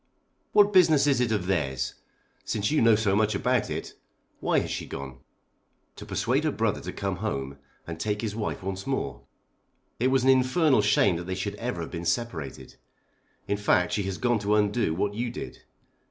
"What business is it of theirs? Since you know so much about it, why has she gone?" "To persuade her brother to come home and take his wife once more. It was an infernal shame that they should ever have been separated. In fact she has gone to undo what you did.